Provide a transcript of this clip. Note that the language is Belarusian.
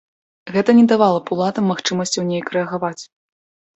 Гэта не давала б уладам магчымасцяў неяк рэагаваць.